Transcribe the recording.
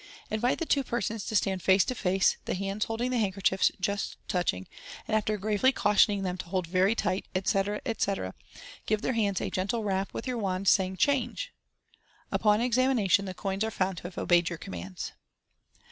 Invite the two persons to stand face to face, the hands holding the hand kerchiefs just touching, and after gravely cautioning them to hold very tight, etc., etc., give their hands a gentle rap with your wand, saying, " Change !'■ Upon examination, the coins are found to have obeyed your commands.